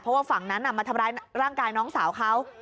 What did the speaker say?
เพราะว่าฝั่งนั้นมาทำร้ายร่างกายน้องสาวเขา